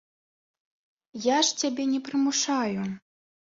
Я ж цябе не прымушаю.